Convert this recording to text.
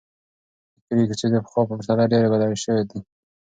د کلي کوڅې د پخوا په پرتله ډېرې بدلې شوې دي.